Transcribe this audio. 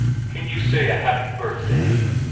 "Can you say 'A happy birthday'?"